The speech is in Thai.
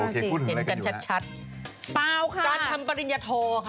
การทำปริญญาโท